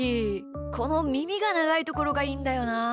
このみみがながいところがいいんだよな。